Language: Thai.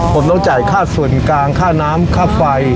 ผมต้องจ่ายค่าส่วนกลางค่าน้ำค่าไฟ